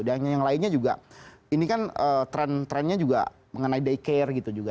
dan yang lainnya juga ini kan tren trennya juga mengenai daycare gitu juga